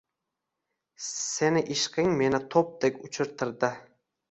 Seni ishqing meni to‘pdek uchirtirdi